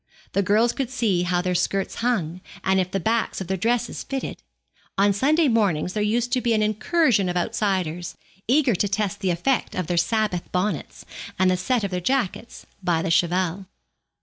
The girls could see how their skirts hung, and if the backs of their dresses fitted. On Sunday mornings there used to be an incursion of outsiders, eager to test the effect of their Sabbath bonnets, and the sets of their jackets, by the cheval.